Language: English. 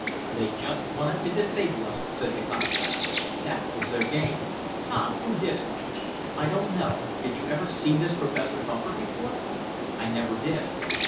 "They just wanted to disable us," said the contractor. "That was their game. Tom, who did it?" "I don't know. Did you ever see this Professor Bumper before?" "I never did."